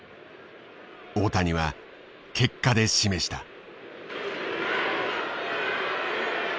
大谷は結果で示した。